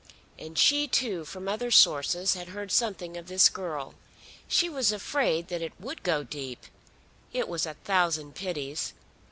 And she too from other sources had heard something of this girl. She was afraid that it would go deep. It was a thousand pities!